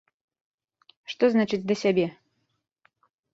Што значыць да сябе?